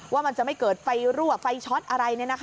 ว่ามันจะไม่เกิดไฟรั่วไฟช็อตอะไร